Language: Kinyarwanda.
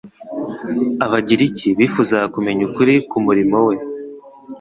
Abagiriki bifuzaga kumenya ukuri k'umurimo we.